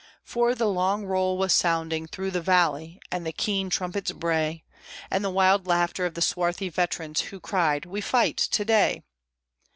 For the long roll was sounding through the valley, and the keen trumpet's bray, And the wild laughter of the swarthy veterans, who cried, "We fight to day!"